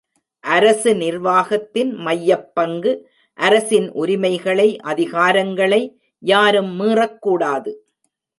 அரசு நிர்வாகத்தின் மையப்பங்கு அரசின் உரிமைகளை அதிகாரங்களை யாரும் மீறக்கூடாது.